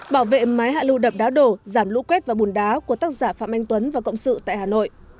bảo vệ mái hạ lưu đập đá đổ giảm lũ quét và bùn đá của tác giả phạm anh tuấn và cộng sự tại hà nội